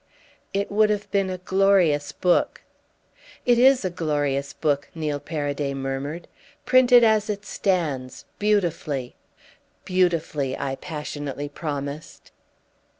"It would have been a glorious book." "It is a glorious book," Neil Paraday murmured. "Print it as it stands—beautifully." "Beautifully!" I passionately promised.